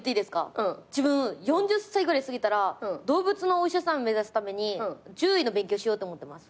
自分４０歳ぐらい過ぎたら動物のお医者さん目指すために獣医の勉強しようって思ってます。